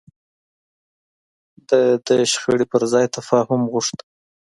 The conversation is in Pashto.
ده د شخړې پر ځای تفاهم غوښت.